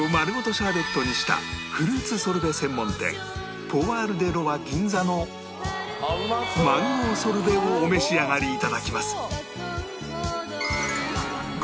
シャーベットにしたフルーツソルベ専門店ポアール・デ・ロワ ＧＩＮＺＡ のマンゴーソルベをお召し上がりいただきます